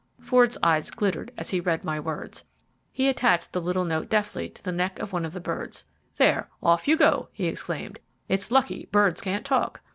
Ford's eyes glittered as he read my words. He attached the little note deftly to the neck of one of the birds. "There, off you go," he exclaimed, "it's lucky birds can't talk."